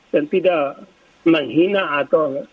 dan tidak menghina atau